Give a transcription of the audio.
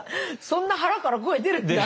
そんな腹から声出るんだ。